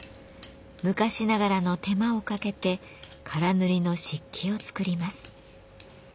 昔ながらの手間をかけて唐塗の漆器を作ります。